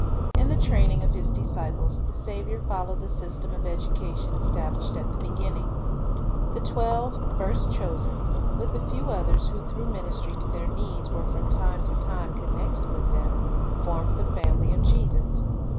In the training of His disciples the Saviour followed the system of education established at the beginning. The twelve first chosen, with a few others who through ministry to their needs were from time to time connected with them, formed the family of Jesus.